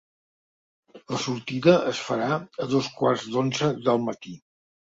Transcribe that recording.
La sortida es farà a dos quarts d’onze del matí.